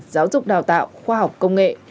giáo dục đào tạo khoa học công nghệ